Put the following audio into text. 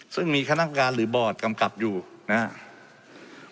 ซึ่งมีคณะการหรือบอร์ดกำกับอยู่นะครับ